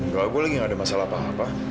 gak gue lagi gak ada masalah apa apa